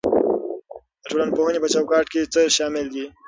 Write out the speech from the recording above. د ټولنپوهنې په چوکاټ کې څه شامل دي؟